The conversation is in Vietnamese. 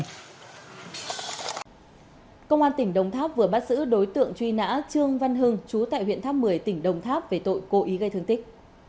công an tỉnh đồng tháp vừa bắt giữ đối tượng truy nã trương văn hưng chú tại huyện tháp một mươi tỉnh đồng tháp về tội cố ý gây thương tích